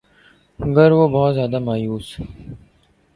گر وہ بہت زیادہ مایوس